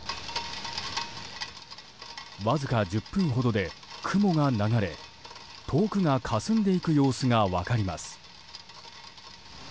わずか１０分ほどで雲が流れ遠くがかすんでいく様子が分かります。